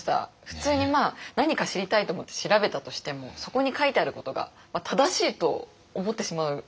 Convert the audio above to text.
普通に何か知りたいと思って調べたとしてもそこに書いてあることが正しいと思ってしまう。